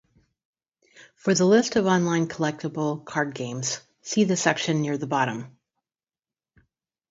For the list of online collectible card games, see the section near the bottom.